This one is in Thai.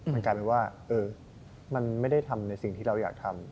มันกลายเป็นว่ามันไม่ได้ทำในสิ่งที่เราอยากทำ